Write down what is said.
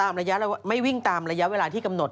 ระยะไม่วิ่งตามระยะเวลาที่กำหนด